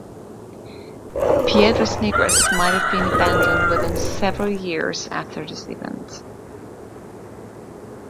Piedras Negras might have been abandoned within several years after this event.